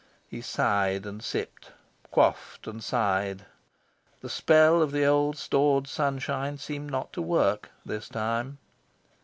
He sighed and sipped, quaffed and sighed. The spell of the old stored sunshine seemed not to work, this time.